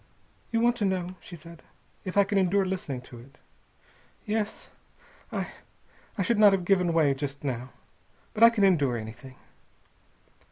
"You want to know," she said, "if I can endure listening to it. Yes. I I should not have given way just now. But I can endure anything."